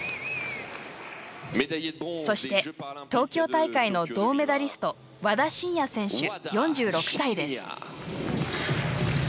そして、東京大会の銅メダリスト和田伸也選手、４６歳です。